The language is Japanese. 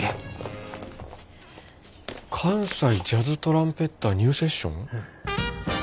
「関西ジャズトランペッターニューセッション」？